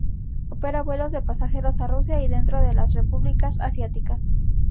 Opera vuelos de pasajeros a Rusia y dentro de las repúblicas asiáticas.